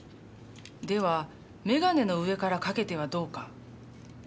ではメガネの上からかけてはどうか。